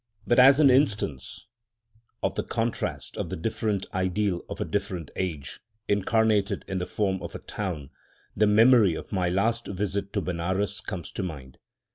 But as an instance of the contrast of the different ideal of a different age, incarnated in the form of a town, the memory of my last visit to Benares comes to my mind.